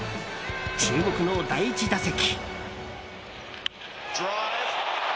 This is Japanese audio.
注目の第１打席。